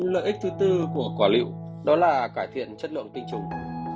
lợi ích thứ tư của quả liệu đó là cải thiện chất lượng tinh trùng